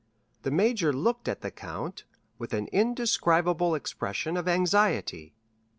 '" The major looked at the count with an indescribable expression of anxiety.